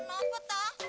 apa sih berhenti